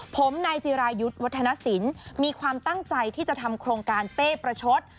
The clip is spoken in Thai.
ผมนายจิรายุทธ์วัฒนศิลป์มีความตั้งใจที่จะทำโครงการเป้ประชด